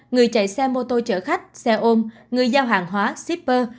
người chạy xe mô tô chở khách xe ôm người giao hàng hóa shipper